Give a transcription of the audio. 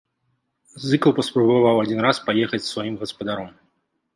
Зыкаў паспрабаваў адзін раз паехаць з сваім гаспадаром.